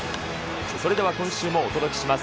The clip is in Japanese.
それでは、今週もお届けします。